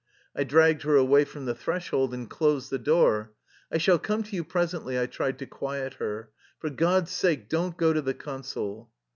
I dragged her away from the threshold and closed the door. "I shall come to you presently/' I tried to quiet her. "For God's sake, don't go to the Consul."